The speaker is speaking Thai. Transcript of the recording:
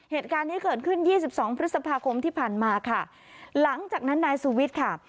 เหตุการณ์นี้เกิดขึ้นยี่สิบสองพฤษภาคมที่ผ่านมาค่ะหลังจากนั้นนายสุวิทย์ค่ะ